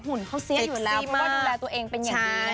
หุ่นเขาเสียอยู่แล้วเพราะว่าดูแลตัวเองเป็นอย่างดีนะคะ